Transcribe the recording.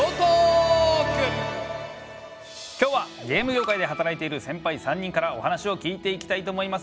今日はゲーム業界で働いているセンパイ３人からお話を聞いていきたいと思います。